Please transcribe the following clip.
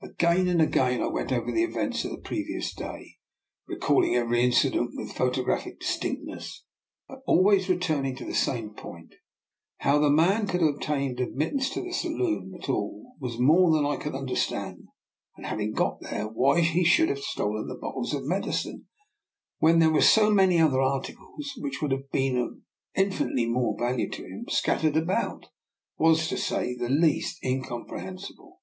Again and again I went over the events of the previous day, recalling every incident with photographic distinct ness; but always returning to the same point. How the man could have obtained admit tance to the saloon at all was more than I could understand, and, having got there, why he should have stolen the bottles of medicine when there were so many other articles which would have seemed to be of infinitely more value to him, scattered about, was, to say the least, incomprehensible.